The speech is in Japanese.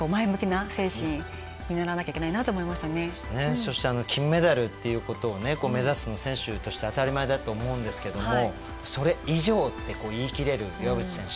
そしてあの金メダルっていうことをね目指すの選手として当たり前だと思うんですけどもそれ以上って言い切れる岩渕選手